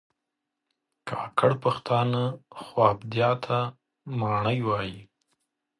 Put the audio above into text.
کاکړ پښتانه خوابدیا ته ماڼی وایي